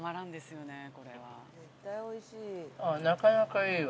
◆あっ、なかなかいいわ。